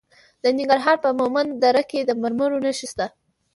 د ننګرهار په مومند دره کې د مرمرو نښې شته.